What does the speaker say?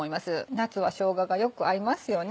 夏はしょうががよく合いますよね。